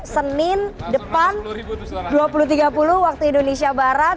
senin depan dua puluh tiga puluh waktu indonesia barat